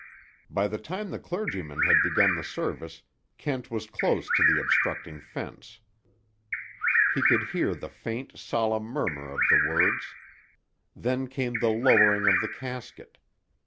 By the time the clergyman had begun the service Kent was close to the obstructing fence. He could hear the faint solemn murmur of the words. Then came the lowering of the casket.